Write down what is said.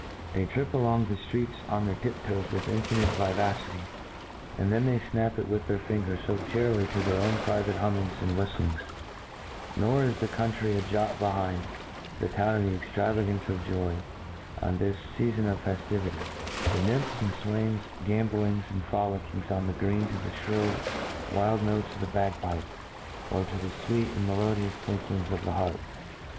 ^ They trip a long the ftreets on their tiptoes with infinite vi vacity — ^and then they fnap it with their fingers fo chearily fo their own private hummings and whiftlings I Nor is the ' country a jot behind the town in the extravagance of joy on* this fea fon of fefliivity ^^he nymphs and fwains gambol ing and frolicking on the green to the fhrill wild notes of the bag pipe, or to the ftveet and melodious tinklings of the harp.